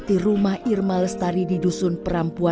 terakhir hari senin nggak ada